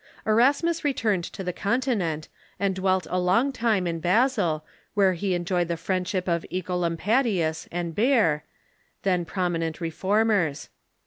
Erasmus returned to the Continent, and dwelt a long time in Basel, where he enjoyed the friendship of G^colampadius and Beer, then prominent Reformers.